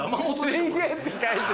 「人間」って書いて。